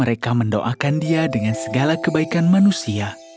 mereka mendoakan dia dengan segala kebaikan manusia